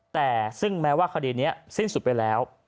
แต่ซึ่งแม้ว่าคดีนี้สิ้นสุดไปแล้ว